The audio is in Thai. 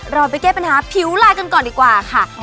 เราไปแก้ปัญหาผิวลายกันก่อนดีกว่าค่ะ